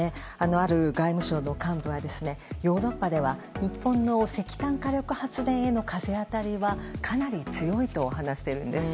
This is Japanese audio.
ある外務省の幹部はヨーロッパでは日本の石炭火力発電への風当たりはかなり強いと話しているんです。